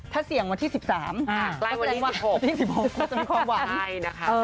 ถ้าเสี่ยงวันที่๑๓คงมีความหวาน